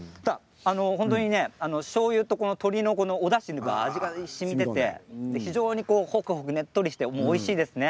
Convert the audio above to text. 本当にね、しょうゆと鶏のおだしの味がしみていてほくほくねっとりしておいしいですね。